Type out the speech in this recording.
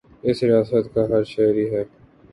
اس ریاست کا ہر شہری ہے